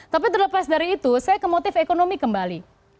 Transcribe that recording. tapi terlepas dari itu saya ke motif ekonomi kembali